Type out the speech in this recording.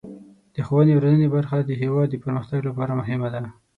د ښوونې او روزنې برخه د هیواد د پرمختګ لپاره مهمه ده.